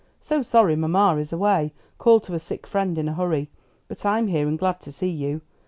so sorry mamma is away; called to a sick friend in a hurry. But I'm here and glad to see you.